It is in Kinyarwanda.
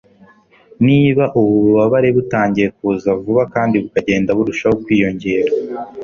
Niba ubu bubabare butangiye kuza vuba kandi bukagenda burushaho kwiyongera